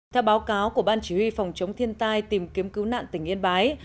theo báo cáo của ban chỉ huy phòng chống thiên tai tìm kiếm cứu nạn tỉnh yên bái